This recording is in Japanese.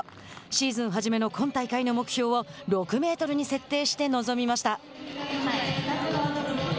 シーズンはじめの今大会の目標を６メートルに設定して臨みました。